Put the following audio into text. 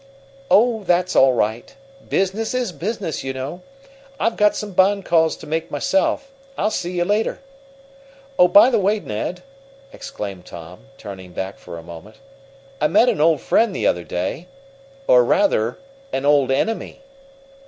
"Oh, that's all right. Business is business, you know. I've got some bond calls to make myself. I'll see you later." "Oh, by the way, Ned!" exclaimed Tom, turning back for a moment, "I met an old friend the other day; or rather an old enemy."